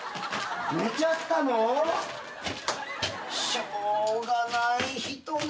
しょうがない人ね。